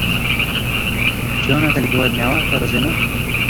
"Czy ona tak wyładniała ta Rozyna?"